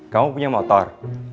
kamu punya motor